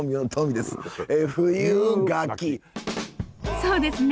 そうですね。